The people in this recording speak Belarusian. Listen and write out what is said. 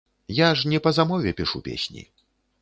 Я ж не па замове пішу песні.